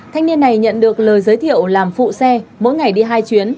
thanh niên này nhận được lời giới thiệu làm phụ xe mỗi ngày đi hai chuyến